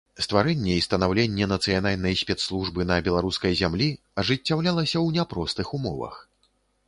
Стварэнне і станаўленне нацыянальнай спецслужбы на беларускай зямлі ажыццяўлялася ў няпростых умовах.